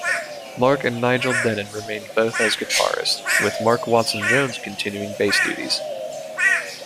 Marc and Nigel Dennen remained both as guitarists, with Mark Watson-Jones continuing bass duties.